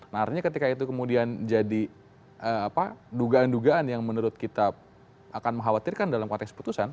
nah artinya ketika itu kemudian jadi dugaan dugaan yang menurut kita akan mengkhawatirkan dalam konteks putusan